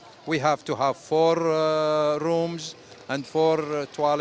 sebenarnya kita harus memiliki empat ruang